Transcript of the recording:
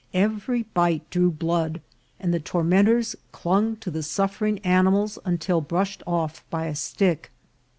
Every bite drew blood, and the tormentors clung to the suffering animals until brush ed off by a stick.